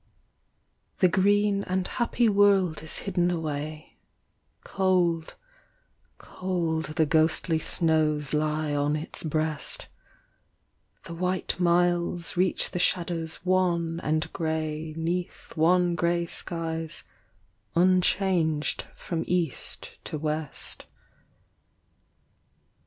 The green and happy world is hidden away i Cold, cold, the ghostly snows lie on its breast ; The white miles reach the shadows wan and grey 'Neath wan grey skies unchanged from east to west.